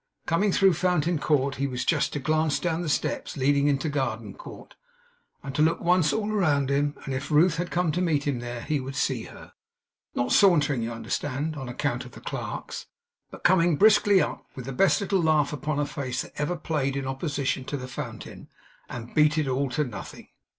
Coming through Fountain Court, he was just to glance down the steps leading into Garden Court, and to look once all round him; and if Ruth had come to meet him, there he would see her; not sauntering, you understand (on account of the clerks), but coming briskly up, with the best little laugh upon her face that ever played in opposition to the fountain, and beat it all to nothing.